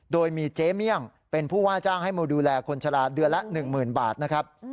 โดยมีเจ๊เมี่ยงเป็นผู้ว่าจ้างให้มาดูแลคนชะลาเดือนละ๑๐๐๐บาทนะครับ